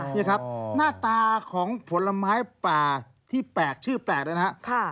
นี่ครับหน้าตาของผลไม้ป่าที่แปลกชื่อแปลกนะครับ